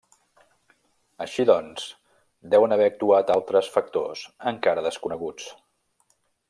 Així doncs, deuen haver actuat altres factors encara desconeguts.